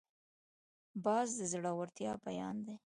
باز د زړورتیا بیان دی